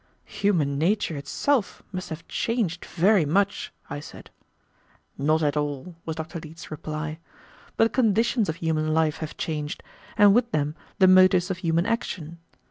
"Human nature itself must have changed very much," I said. "Not at all," was Dr. Leete's reply, "but the conditions of human life have changed, and with them the motives of human action.